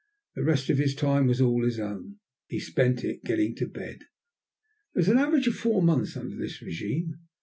The rest of his time was all his own. He spent it getting to bed. There was an average of four months under this régime.